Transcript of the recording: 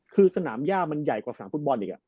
คือสนามย่ามันใหญ่กว่าสนามฟุตบอลอีก